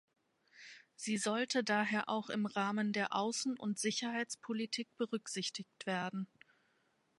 Sie sollte daher auch im Rahmen der Außen- und Sicherheitspolitik berücksichtigt werden.